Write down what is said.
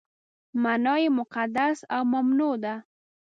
معنا یې مقدس او ممنوع ده.